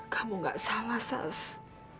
kamu enggak salah sask